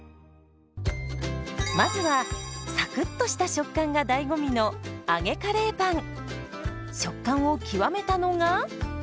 まずはサクッとした食感が醍醐味の食感を極めたのが。